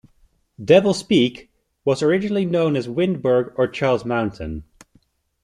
Devil's Peak was originally known as Windberg or Charles Mountain.